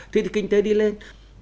thế thì kinh tế đi lên